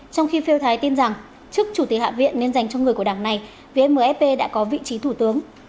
trong khi phiêu thái tin rằng chức chủ tịch hạ viện nên dành cho người của đảng này vì mfp đã có vị trí thủ tướng